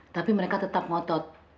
tapi mereka tetap ngotot